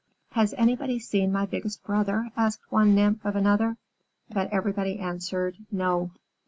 "Has anybody seen my biggest brother?" asked one Nymph of another, but everybody answered, "No."